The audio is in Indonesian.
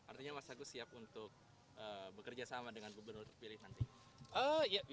artinya mas agus siap untuk bekerja sama dengan gubernur terpilih nanti